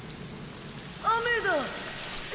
雨だ。